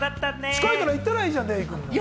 近いから行ったらいいじゃない？